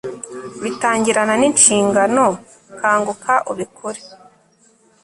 bitangirana ninshingano .. kanguka ubikore